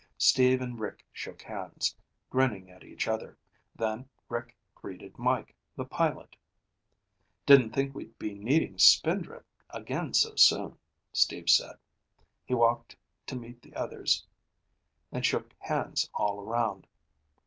Steve and Rick shook hands, grinning at each other, then Rick greeted Mike, the pilot. "Didn't think we'd be needing Spindrift again so soon," Steve said. He walked to meet the others and shook hands all around.